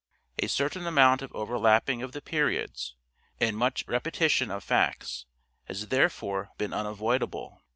A certain amount of overlapping of the periods and much repetition of facts has there fore been unavoidable.